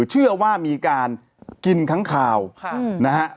เชื่อว่ามีการกินขังข่าวนะครับ